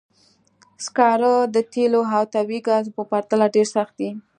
سکاره د تېلو او طبیعي ګازو په پرتله ډېر سخت دي.